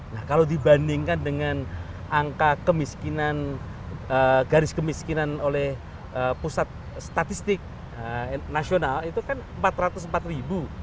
nah kalau dibandingkan dengan angka kemiskinan garis kemiskinan oleh pusat statistik nasional itu kan empat ratus empat ribu